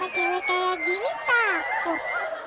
cewek kayak gini takut